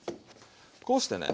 こうしてね。